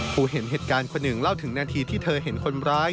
ผู้เห็นเหตุการณ์คนหนึ่งเล่าถึงนาทีที่เธอเห็นคนร้าย